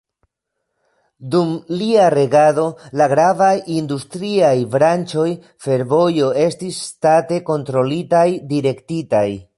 Dum lia regado, la gravaj industriaj branĉoj, fervojo estis ŝtate kontrolitaj, direktitaj.